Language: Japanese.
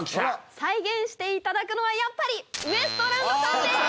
再現していただくのはやっぱりウエストランドさんです！